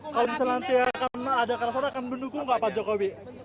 kalau bisa nanti ya karena ada ke arah sana akan mendukung nggak pak jokowi